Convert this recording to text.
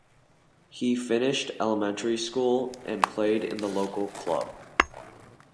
He finished elementary school and played in the local club.